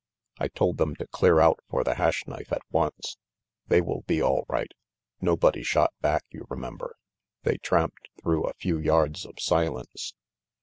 "I told them to clear out for the Hash Knife at once. They will be all right. Nobody shot back, you remember." They tramped through a few yards of silence.